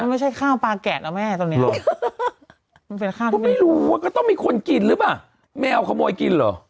ไม่ใช่ข้าวปลาแกะนะแม่ตอนนี้มันเป็นข้าวก็ไม่รู้ว่าก็ต้องมีคนกินหรือเปล่าแมวขโมยกินเหรอ